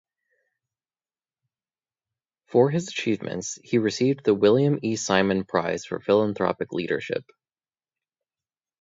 For his achievements, he received the William E. Simon Prize for Philanthropic Leadership.